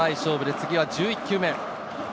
次が１１球目。